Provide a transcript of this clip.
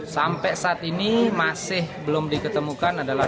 sampai saat ini masih belum diketemukan adalah dua puluh empat